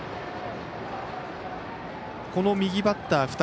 この右バッター